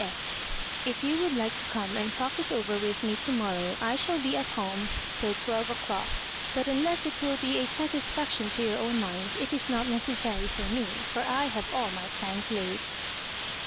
/ST.— If you would like to come and tali It over with me to morrow, I shall be at home till twelve o'clock ; but unless it will be a satisfaction to your own mind, it is not necessary for me, for I have all my plans laid."